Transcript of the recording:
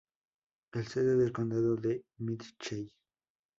Es sede del condado de Mitchell.